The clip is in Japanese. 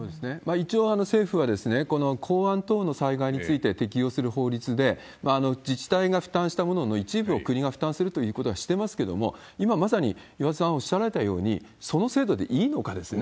一応政府はこの港湾等の災害について適用する法律で、自治体が負担したものの一部を国が負担するということはしてますけれども、今まさに岩田さんおっしゃられたように、その制度でいいのかですよね。